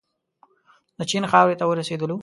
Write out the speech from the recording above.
د چین خاورې ته ورسېدلو.